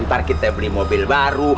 ntar kita beli mobil baru